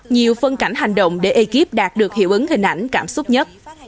nhiều phân cảnh hành động để ekip đạt được hiệu ứng hình ảnh cảm xúc nhất